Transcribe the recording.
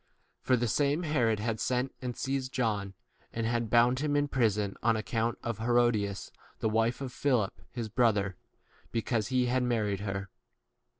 For the same Herod had sent and seized John, and had bound him in i prison, on account of Herodias, the wife of Philip his brother, because he 18 had married her.